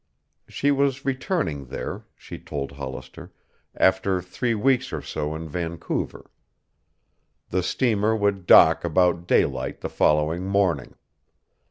She was returning there, she told Hollister, after three weeks or so in Vancouver. The steamer would dock about daylight the following morning.